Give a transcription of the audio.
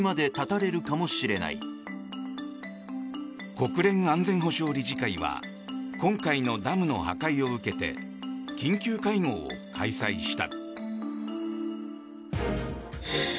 国連安全保障理事会は今回のダムの破壊を受けて緊急会合を開催した。